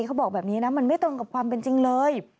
เขาบอกแบบนี้นะมันไม่ตรงกับความเป็นจริงเลย